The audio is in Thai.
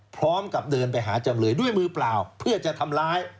พร้อมกับเดินไปหาจำเลยด้วยมือเปล่าเพื่อจะทำร้าย